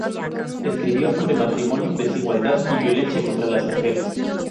Escribió sobre matrimonio, desigualdad y violencia contra las mujeres.